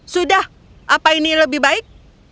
sudah apa ini lebih baik